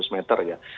lima ratus meter ya